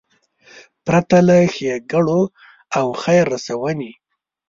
پرته له ښېګړو او خیر رسونې.